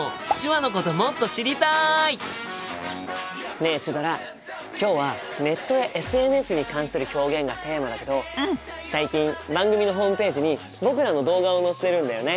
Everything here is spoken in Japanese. ねえシュドラ今日はネットやＳＮＳに関する表現がテーマだけど最近番組のホームページに僕らの動画を載せてるんだよね。